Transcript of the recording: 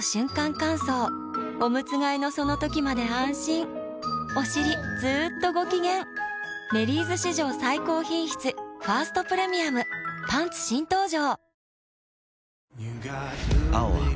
乾燥おむつ替えのその時まで安心おしりずっとご機嫌「メリーズ」史上最高品質「ファーストプレミアム」パンツ新登場！